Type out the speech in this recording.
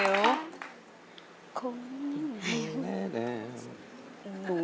เป็นยังไงค่ะทุ่มติ๋ว